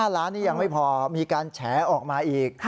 ล้านนี้ยังไม่พอมีการแฉออกมาอีก